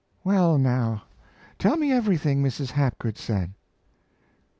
Well, now, tell me everything Mrs. Hapgood said.